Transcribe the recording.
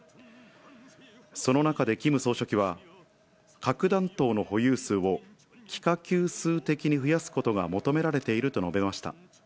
その中で、キム総書記は核弾頭の保有数を幾何級数的に増やすことが求められていると述べました。